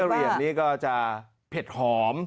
พริกเกอรี่ยมนี่ก็จะเผ็ดหอม